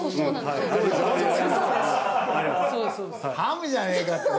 ハムじゃねえかって。